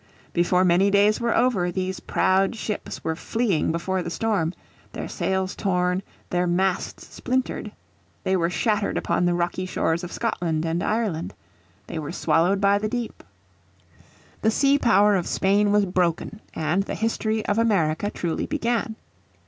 Before many days were over these proud ships were fleeing before the storm, their sails torn, their masts splintered. They were shattered upon the rocky shores of Scotland and Ireland. They were swallowed by the deep. The sea power of Spain was broken, and the history of America truly began.